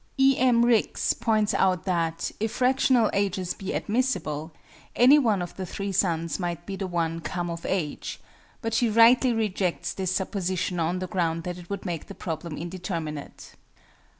E. M. RIX points out that, if fractional ages be admissible, any one of the three sons might be the one "come of age"; but she rightly rejects this supposition on the ground that it would make the problem indeterminate.